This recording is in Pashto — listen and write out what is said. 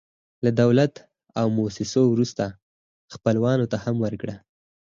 له دولت او موسسو وروسته، خپلوانو ته هم ورکړه.